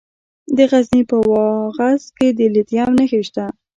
د غزني په واغظ کې د لیتیم نښې شته.